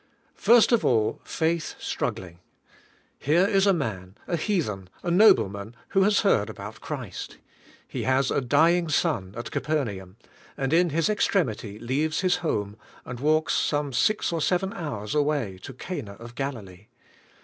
First of all, faith struggling. Here is a man, a heathen, a nobleman, who has heard about Christ. He has a dying son at Ca pernaum, and in his extremity leaves his home, and walks some six or seven hours away to Cana of Galilee.